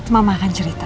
mama akan cerita